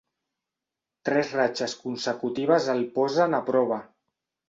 Tres ratxes consecutives el posen a prova.